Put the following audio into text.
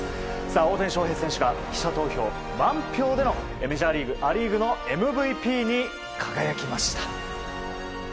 大谷翔平選手が記者投票満票でのメジャーリーグ、ア・リーグのＭＶＰに輝きました。